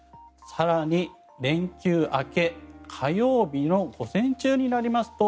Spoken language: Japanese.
更に、連休明け火曜日の午前中になりますと